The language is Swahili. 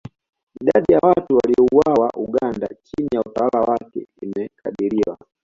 Idadi ya watu waliouawa Uganda chini ya utawala wake imekadiriwa